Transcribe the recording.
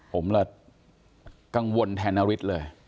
ผมละกังวลแทนนฤทธิ์เลย